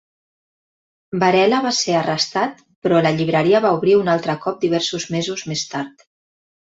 Varela va ser arrestat, però la llibreria va obrir un altre cop diversos mesos més tard.